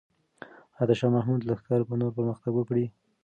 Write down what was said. آیا د شاه محمود لښکر به نور پرمختګ وکړي؟